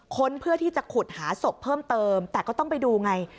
ค้นเพื่อที่จะขุดหาศพเพิ่มเติมแต่ก็ต้องไปดูไง